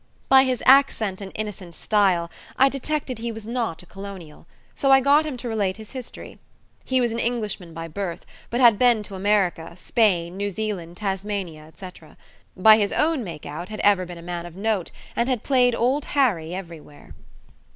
By his accent and innocent style I detected he was not a colonial, so I got him to relate his history. He was an Englishman by birth, but had been to America, Spain, New Zealand, Tasmania, etc.; by his own make out had ever been a man of note, and had played Old Harry everywhere.